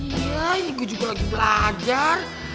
wah ini gue juga lagi belajar